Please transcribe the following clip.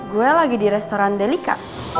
gue lagi di restoran delika